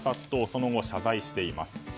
その後、謝罪しています。